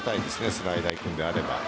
スライダーにいくのであれば。